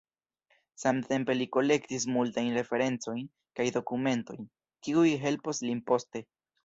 Samtempe li kolektis multajn referencojn kaj dokumentojn, kiuj helpos lin poste.